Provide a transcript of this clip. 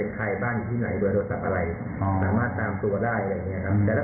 เราพยายามกรีดกันเพื่อความปลอดภัยของผู้โดยสารด้วย